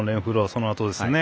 そのあとですね。